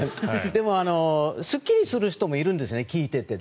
でもすっきりする人もいるんですね聞いていて。